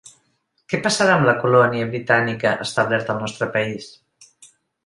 Què passarà amb la colònia britànica establerta al nostre país?